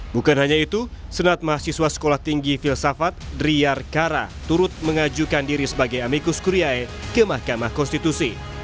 bukan hanya itu senat mahasiswa sekolah tinggi filsafat driar kara turut mengajukan diri sebagai amikus kuriae ke mahkamah konstitusi